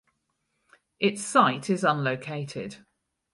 Its site is unlocated.